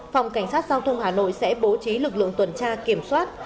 phòng cảnh sát giao thông hà nội sẽ bố trí lực lượng tuần tra kiểm soát